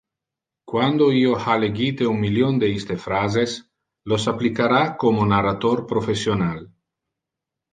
Quando io ha legite un million de iste phrases, los applicara como narrator professional.